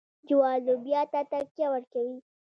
جوار لوبیا ته تکیه ورکوي.